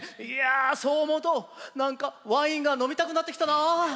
いやそう思うと何かワインが飲みたくなってきたな。